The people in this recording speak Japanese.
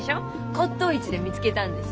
骨とう市で見つけたんです。